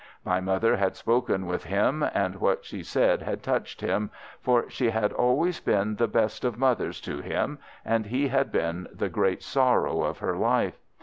My mother had spoken with him, and what she said had touched him, for she had always been the best of mothers to him, and he had been the great sorrow of her life.